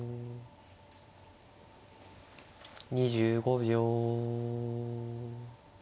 ２５秒。